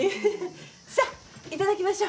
さあいただきましょ。